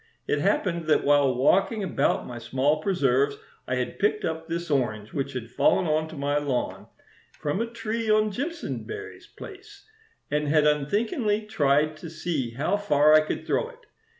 It happened that while walking about my small preserves I had picked up this orange, which had fallen onto my lawn from a tree on Jimpsonberry's place, and had unthinkingly tried to see how far I could throw it.